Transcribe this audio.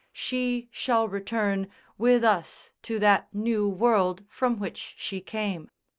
She shall return With us to that New World from which she came.